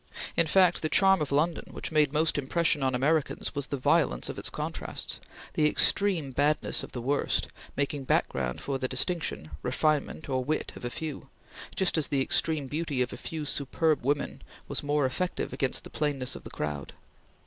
In fact, the charm of London which made most impression on Americans was the violence of its contrasts; the extreme badness of the worst, making background for the distinction, refinement, or wit of a few, just as the extreme beauty of a few superb women was more effective against the plainness of the crowd.